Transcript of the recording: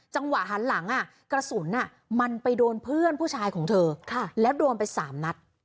จังหวะหันหลังกระสุนมันไปโดนเพื่อนผู้ชายของเธอแล้วโดนไป๓นัด